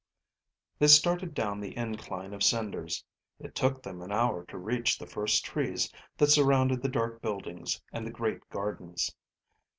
They started down the incline of cinders. It took them an hour to reach the first trees that surrounded the dark buildings and the great gardens.